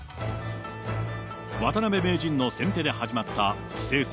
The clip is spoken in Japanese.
渡辺名人の先手で始まった棋聖戦